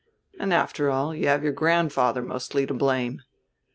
And, after all, you have your grandfather mostly to blame.